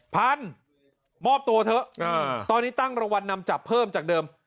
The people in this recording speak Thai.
พันมอบตัวเถอะตอนนี้ตั้งรางวัลนำจับเพิ่มจากเดิม